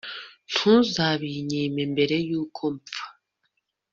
ntuzabinyime mbere y'uko mpfa